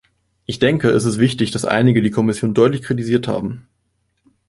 Ich denke, es ist wichtig, dass einige die Kommission deutlich kritisiert haben.